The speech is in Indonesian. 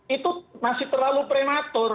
itu masih terlalu prematur